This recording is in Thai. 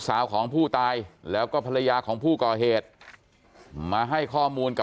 สาวของผู้ตายแล้วก็ภรรยาของผู้ก่อเหตุมาให้ข้อมูลกับ